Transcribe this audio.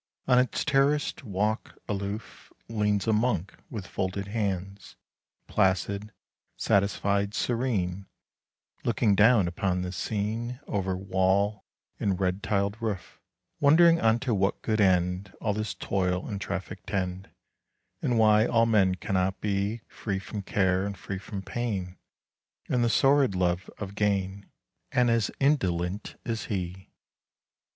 25 On its terraced walk aloof Leans a monk with folded hands, Placid, satisfied, serene, Looking down upon the scene Over wall and red tiled roof; 30 Wondering unto what good end All this toil and traffic tend, And why all men cannot be Free from care and free from pain, And the sordid love of gain, 35 And as indolent as he.